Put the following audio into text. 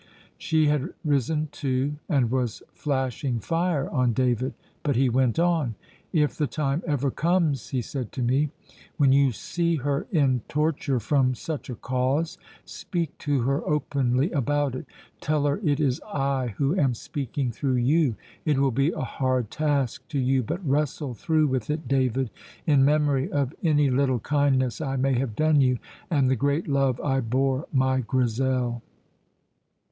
She had risen too, and was flashing fire on David; but he went on. "'If the time ever comes,' he said to me, 'when you see her in torture from such a cause, speak to her openly about it. Tell her it is I who am speaking through you. It will be a hard task to you, but wrestle through with it, David, in memory of any little kindness I may have done you, and the great love I bore my Grizel.'"